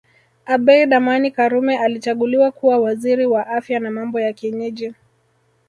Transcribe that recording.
Abeid Amani Karume alichaguliwa kuwa Waziri wa Afya na Mambo ya Kienyeji